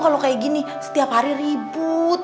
kalau kayak gini setiap hari ribut